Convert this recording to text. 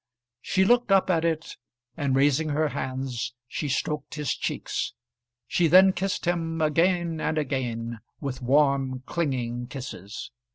She looked up at it, and raising her hands she stroked his cheeks. She then kissed him again and again, with warm, clinging kisses.